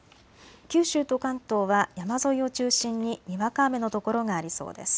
九州と関東は山沿いを中心ににわか雨の所がありそうです。